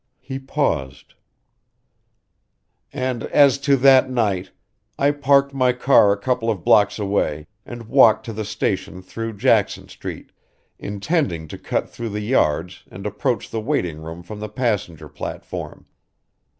He paused "And as to that night I parked my car a couple of blocks away and walked to the station through Jackson Street, intending to cut through the yards and approach the waiting room from the passenger platform.